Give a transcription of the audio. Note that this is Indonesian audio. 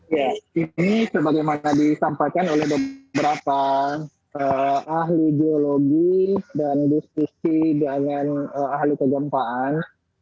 ya ini sebagaimana disampaikan oleh beberapa ahli geologi dan diskusi dengan ahli kegempaan